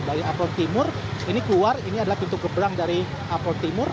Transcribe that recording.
dari apel timur ini keluar ini adalah pintu keberang dari apel timur